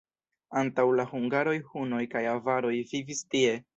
Antaŭ la hungaroj hunoj kaj avaroj vivis tie.